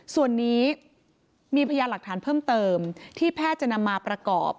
ส่วนนี้มีพยานหลักฐานเพิ่มเติมที่แพทย์จะนำมาประกอบ